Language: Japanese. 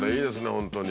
本当に。